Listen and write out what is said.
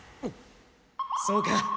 そうか。